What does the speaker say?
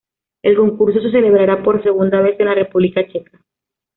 El concurso se celebrará por segunda vez en la República Checa.